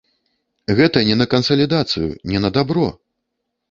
Гэта не на кансалідацыю, не на дабро!